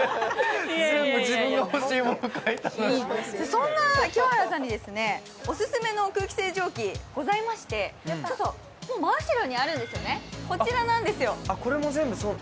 そんな清原さんにオススメの空気清浄機がございまして、もう真後ろにあるんですよね、こちらなんですよ。